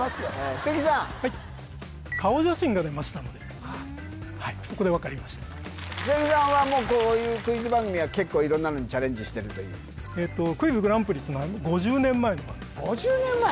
布施木さん顔写真が出ましたのでそこで分かりました布施木さんはもうこういうクイズ番組は結構色んなのにチャレンジしてるという「クイズグランプリ」っていうのは５０年前の番組５０年前？